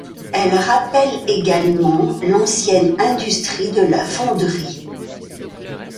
Elle rappelle également l'ancienne industrie de la fonderie.